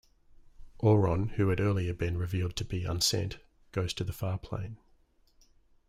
Auron, who had earlier been revealed to be unsent, goes to the Farplane.